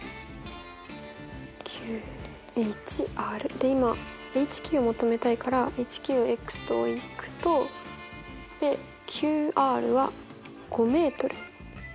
で今ＨＱを求めたいからＨＱをと置くとＱＲは５ｍ。